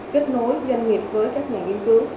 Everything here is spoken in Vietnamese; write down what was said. kết nối doanh nghiệp với các nhà nghiên cứu